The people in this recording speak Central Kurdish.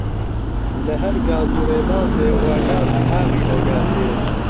لە هەر گاز و ڕێبازێ وا گازی ئاوی ئەگاتێ